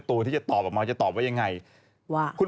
ก็ไม่เห็นแม่พูดอะไรนะคะ